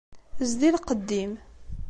Zdi lqedd-im.